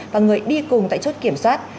và người đi cùng tại chốt kiểm soát